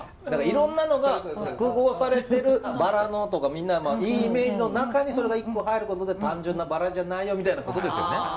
だからいろんなのが複合されてるバラのとかいいイメージの中にそれが１個入ることで単純なバラじゃないよみたいなことですよね？